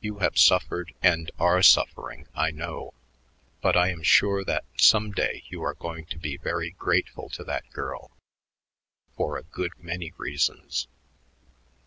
You have suffered and are suffering, I know, but I am sure that some day you are going to be very grateful to that girl for a good many reasons."